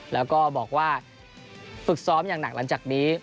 แล้วก็บอกว่าฝึกซ้อมอย่างหนักหลังจากนี้